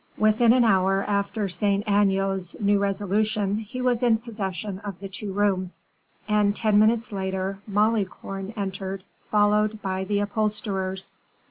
Within an hour after Saint Aignan's new resolution, he was in possession of the two rooms; and ten minutes later Malicorne entered, followed by the upholsterers.